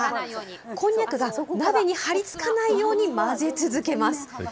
こんにゃくが鍋にはりつかないように混ぜ続けます。